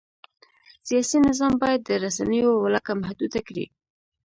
سیاسي نظام باید د رسنیو ولکه محدوده کړي.